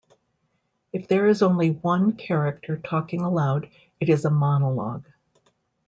If there is only "one" character talking aloud, it is a monologue.